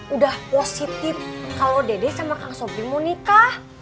udah positif kalau dede sama kang sopi mau nikah